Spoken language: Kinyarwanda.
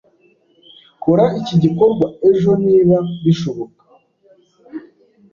Kora iki gikorwa ejo niba bishoboka.